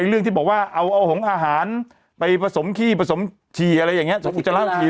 ไอ้เรื่องที่บอกว่าเอาเอาของอาหารไปผสมขี้ผสมฉี่อะไรอย่างเงี้ย